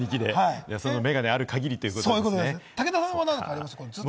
メガネある限りということですね。